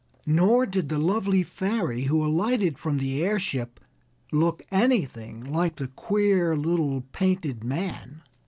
Nor did the lovely fairy who now alighted from the airship look anything like the queer little painted man.